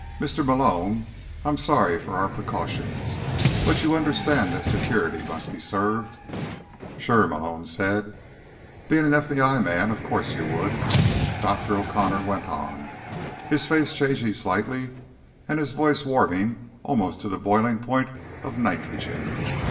"Mr. Malone. I am sorry for our precautions, but you understand that security must be served." "Sure," Malone said. "Being an FBI man, of course you would," Dr. O'Connor went on, his face changing slightly and his voice warming almost to the boiling point of nitrogen.